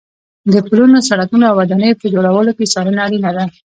د پلونو، سړکونو او ودانیو په جوړولو کې څارنه اړینه ده.